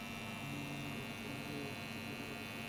এমন সময়ে হঠাৎ মৃদু কাতরানির শব্দ শুনতে পেলাম।